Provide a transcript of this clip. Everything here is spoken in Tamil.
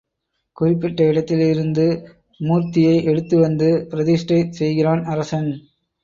குறிப்பிட்ட இடத்தில் இருந்த மூர்த்தியை எடுத்து வந்து பிரதிஷ்டை செய்கிறான் அரசன்.